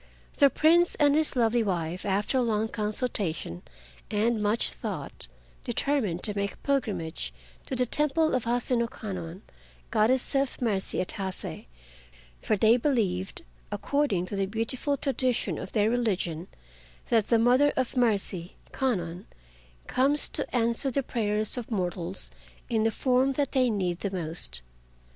The Prince and his lovely wife, after long consultation and much thought, determined to make a pilgrimage to the temple of Hase no Kwannon (Goddess of Mercy at Hase), for they believed, according to the beautiful tradition of their religion, that the Mother of Mercy, Kwannon, comes to answer the prayers of mortals in the form that they need the most.